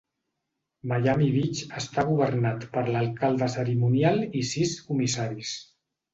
Miami Beach està governat per l'alcalde cerimonial i sis comissaris.